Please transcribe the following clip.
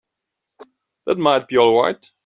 That might be all right.